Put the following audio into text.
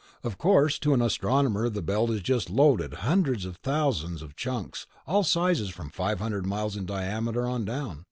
"Of course, to an astronomer the Belt is just loaded ... hundreds of thousands of chunks, all sizes from five hundred miles in diameter on down.